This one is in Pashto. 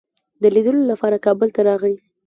د لیدلو لپاره کابل ته راغی.